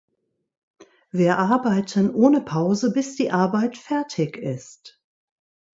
Wir arbeiten ohne Pause bis die Arbeit fertig ist.